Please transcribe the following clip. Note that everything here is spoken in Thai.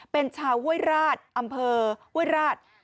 เป็นชาวห้วยราชอำเภอห้วยราช